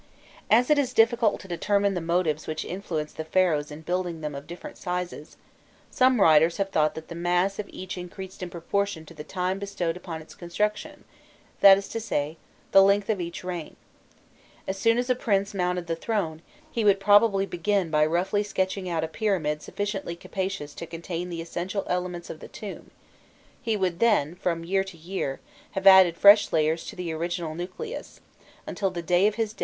As it is difficult to determine the motives which influenced the Pharaohs in building them of different sizes, some writers have thought that the mass of each increased in proportion to the time bestowed upon its construction that is to say, to the length of each reign. As soon as a prince mounted the throne, he would probably begin by roughly sketching out a pyramid sufficiently capacious to contain the essential elements of the tomb; he would then, from year to year, have added fresh layers to the original nucleus, until the day of his death put an end for ever to the growth of the monument.